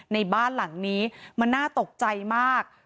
ในบ้านหลังนี้มันน่าตกใจมาก